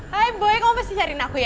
hai boy kamu pasti cariin aku ya